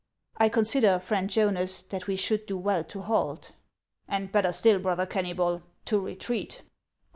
" I consider, friend Jonas, that we should do well to halt." " And better still, brother Kennybol, to retreat."